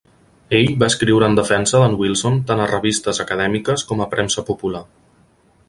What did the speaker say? Ell va escriure en defensa d'en Wilson tant a revistes acadèmiques com a premsa popular.